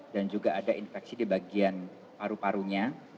dan juga ada infeksi di bagian paru parunya